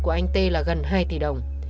của anh t là gần hai tỷ đồng